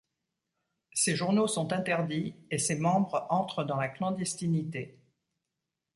Ses journaux sont interdits et ses membres entrent dans la clandestinité.